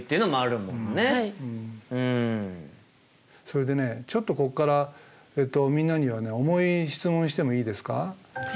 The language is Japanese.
それでねちょっとこっからみんなにはね重い質問してもいいですか？